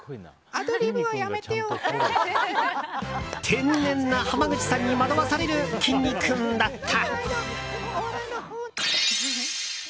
天然な浜口さんに惑わされるきんに君だった。